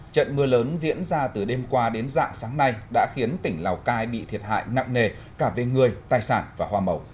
trận mưa lớn diễn ra từ đêm qua đến dạng sáng nay đã khiến tỉnh lào cai bị thiệt hại nặng nề cả về người tài sản và hoa màu